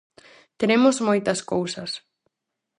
Teremos moitas cousas.